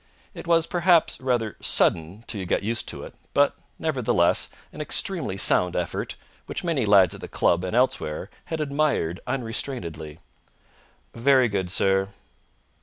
It was perhaps rather sudden till you got used to it, but, nevertheless, an extremely sound effort, which many lads at the club and elsewhere had admired unrestrainedly. "Very good, sir."